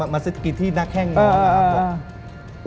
มาสกิดที่นักแห้งน้องอะ